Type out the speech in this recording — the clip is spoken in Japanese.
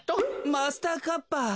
マスターカッパー。